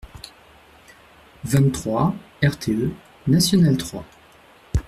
vingt-trois rTE NATIONALE trois